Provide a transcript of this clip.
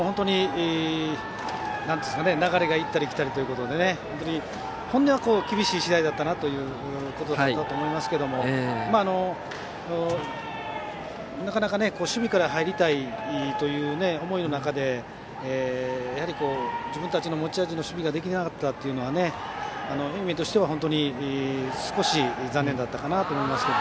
本当に流れが行ったり来たりということで本音は厳しい試合だったなということだと思いますけどなかなか守備から入りたいという思いの中で自分たちの持ち味の守備ができなかったという意味では少し残念だったかなと思います。